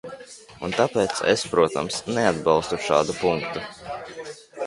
Un tāpēc es, protams, neatbalstu šādu punktu.